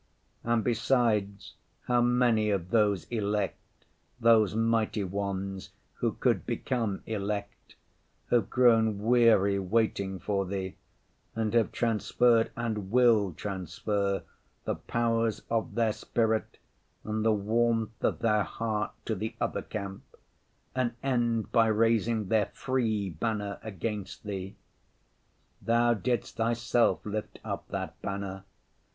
And besides, how many of those elect, those mighty ones who could become elect, have grown weary waiting for Thee, and have transferred and will transfer the powers of their spirit and the warmth of their heart to the other camp, and end by raising their free banner against Thee. Thou didst Thyself lift up that banner.